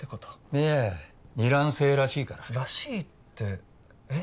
いや二卵性らしいから「らしい」ってえっ？